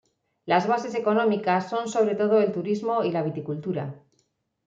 Las bases económicas son sobre todo el turismo y la viticultura.